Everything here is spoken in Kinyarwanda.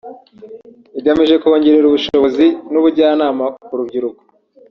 igamije kongerera ubushobozi n’ubujyanama ku rubyiruko